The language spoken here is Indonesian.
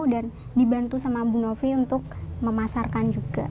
dibantu sama bu novi untuk memasarkan juga